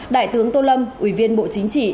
đại tướng tô lâm ủy viên bộ chính trị